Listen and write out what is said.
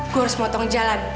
gue harus motong jalan